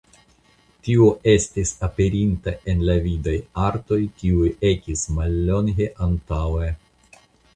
Tio estis aperinta en la vidaj artoj kiuj ekis mallonge antaŭe.